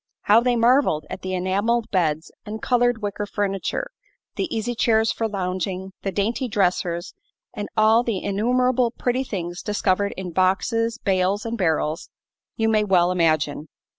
How they marveled at the enameled beds and colored wicker furniture, the easy chairs for lounging, the dainty dressers and all the innumerable pretty things discovered in boxes, bales and barrels, you may well imagine.